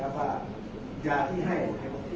แต่ว่าไม่มีปรากฏว่าถ้าเกิดคนให้ยาที่๓๑